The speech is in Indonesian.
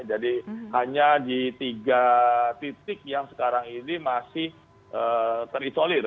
jadi hanya di tiga titik yang sekarang ini masih terisolir